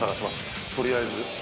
取りあえず。